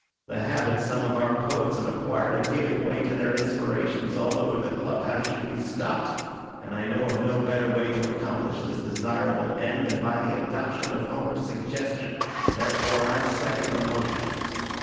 The habit some of our poets have acquired of giving way to their inspirations all over the club house should be stopped, and I know of no better way to accomplish this desirable end than by the adoption of Homer's suggestion. Therefore I second the motion."